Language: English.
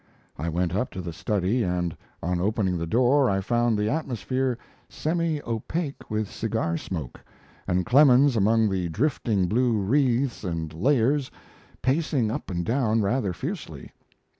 I went up to the study, and on opening the door I found the atmosphere semi opaque with cigar smoke, and Clemens among the drifting blue wreaths and layers, pacing up and down rather fiercely.